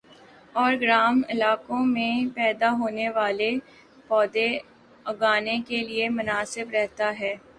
اور گرم علاقوں میں پیدا ہونے والے پودے اگانے کیلئے مناسب رہتا ہے